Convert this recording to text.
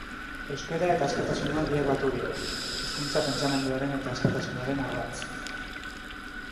Euskara eta askatasuna biak baturik: hizkuntza pentsamenduaren eta askatasunaren ardatz.